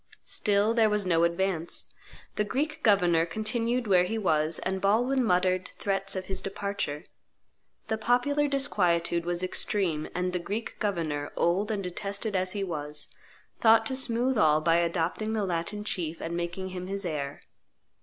Still there was no advance; the Greek governor continued where be was; and Baldwin muttered threats of his departure. The popular disquietude was extreme; and the Greek governor, old and detested as he was, thought to smooth all by adopting the Latin chief and making him his heir.